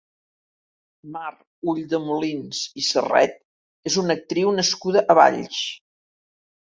Mar Ulldemolins i Sarret és una actriu nascuda a Valls.